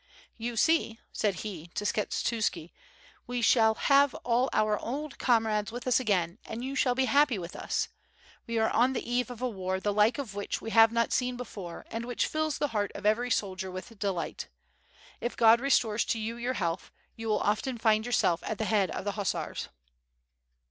"You see," said he to Skshetuski, "we shall have all our old comrades with us again and you shall.be happy with us. We are on the eve of a war the like of which we have not seen before and which fills the heart of every soldier with delight. If God restores to you your health, you will often find yourself at the head of the hussars."